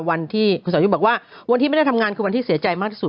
วันที่คุณสอยุทธ์บอกว่าวันที่ไม่ได้ทำงานคือวันที่เสียใจมากที่สุด